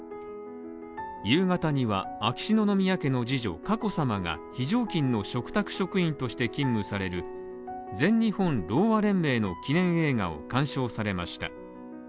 夕方には秋篠宮家の次女佳子さまが非常勤の嘱託職員として勤務される全日本ろうあ連盟の記念映画を鑑賞されました。